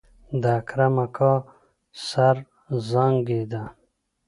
د اکرم اکا سر زانګېده.